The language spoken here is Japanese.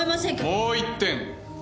もう１点。